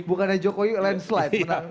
bukannya jokowi lain slide